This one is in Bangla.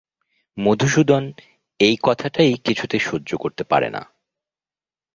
মধুসূদন এই কথাটাই কিছুতে সহ্য করতে পারে না।